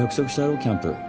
キャンプ。